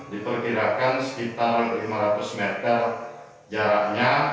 diperkirakan sekitar lima ratus meter jaraknya